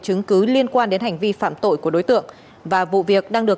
chứng cứ liên quan đến hành vi phạm tội của đối tượng và vụ việc đang được